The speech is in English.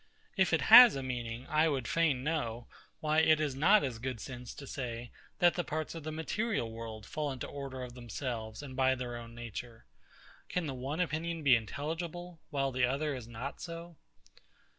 If it has a meaning, I would fain know, why it is not as good sense to say, that the parts of the material world fall into order of themselves and by their own nature. Can the one opinion be intelligible, while the other is not so?